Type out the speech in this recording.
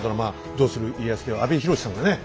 「どうする家康」では阿部寛さんがね